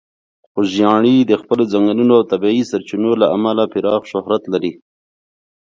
خوږیاڼي د خپلې ځنګلونو او د طبیعي سرچینو له امله پراخه شهرت لري.